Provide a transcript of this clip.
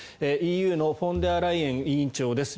ＥＵのフォンデアライエン委員長です。